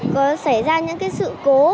có xảy ra những sự cố